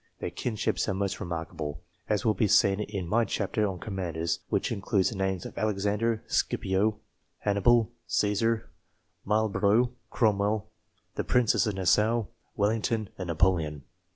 Their kinships are most re markable, as will be seen in my chapter on commanders, which includes the names of Alexander, Scipio, Hannibal, Caesar, Marlborough, Cromwell, the Princes of Nassau, Wellington, and Napoleon.